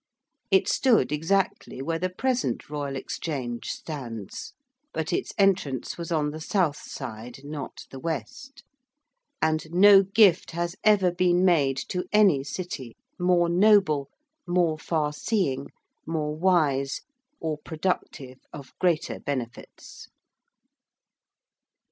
It stood exactly where the present Royal Exchange stands, but its entrance was on the south side, not the west. And no gift has ever been made to any city more noble, more farseeing, more wise, or productive of greater benefits.